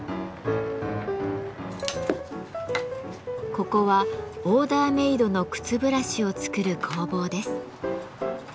ここはオーダーメードの靴ブラシを作る工房です。